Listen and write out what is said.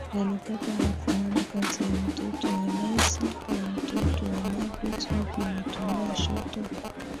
Alitaka afahamu kati ya mtoto wa Daisy na Mtoto wa Magreth yupi anatumia shoto